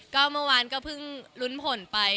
ก็เมื่อวานก็เพิ่งลุ้นผลไป